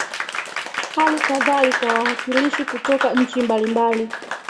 hali kadhalika wawakilishi kutoka nchi mbalimbali